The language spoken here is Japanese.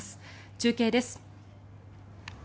中継です。